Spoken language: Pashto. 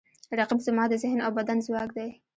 رقیب زما د ذهن او بدن ځواک دی